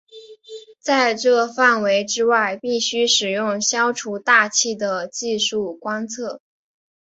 在这范围之外必须使用消除大气的技术观测。